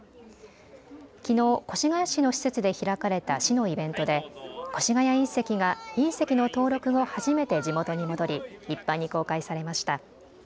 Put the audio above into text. きのう越谷市の施設で開かれた市のイベントで越谷隕石が隕石の登録後、初めて地元に戻り一般に公開されました。